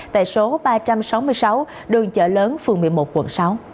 tại số ba trăm sáu mươi sáu đường chợ lớn phường một mươi một quận sáu